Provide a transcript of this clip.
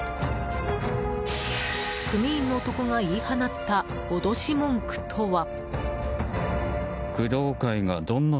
組員の男が言い放った脅し文句とは。